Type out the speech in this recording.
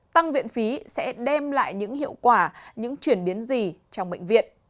tăng viện phí sẽ đem lại những hiệu quả những chuyển biến gì trong bệnh viện